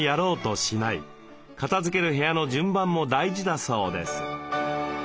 片づける部屋の順番も大事だそうです。